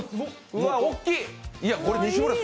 うわ、大きい。